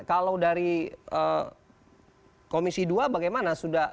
kalau dari komisi dua bagaimana